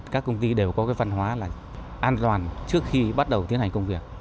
các công ty đều có cái văn hóa là an toàn trước khi bắt đầu tiến hành công việc